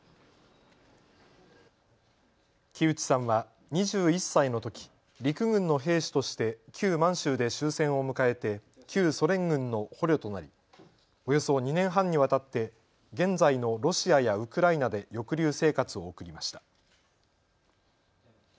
木内さんは２１歳のとき陸軍の兵士として旧満州で終戦を迎えて旧ソ連軍の捕虜となりおよそ２年半にわたって現在のロシアやウクライナで抑留生活を送りました。